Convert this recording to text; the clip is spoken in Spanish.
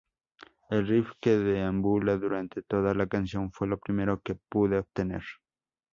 El riff que deambula durante toda la canción fue lo primero que pude obtener.